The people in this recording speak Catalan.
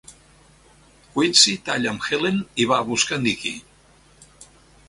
Quincy talla amb Helen i va a buscar Nicky.